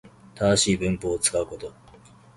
正しい文法を使うこと